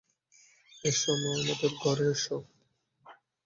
S মা, আমাদের ঘরে এস।